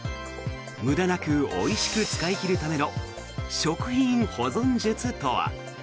無駄なくおいしく使い切るための食品保存術とは。